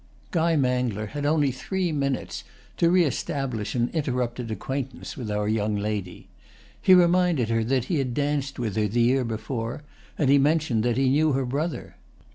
Guy Mangler had only three minutes to reëstablish an interrupted acquaintance with our young lady. He reminded her that he had danced with her the year before, and he mentioned that he knew her brother.